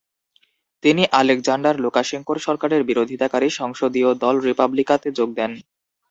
তিনি আলেকজান্ডার লুকাশেঙ্কোর সরকারের বিরোধিতাকারী সংসদীয় দল রিপাবলিকাতে যোগ দেন।